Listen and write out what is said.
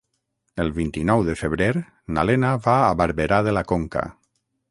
El vint-i-nou de febrer na Lena va a Barberà de la Conca.